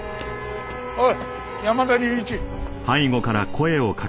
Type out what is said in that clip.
おい山田隆一。